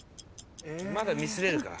まだミスれるから。